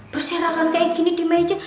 perserangan kayak gini di meja